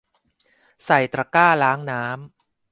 ใส่ตะกร้าล้างน้ำ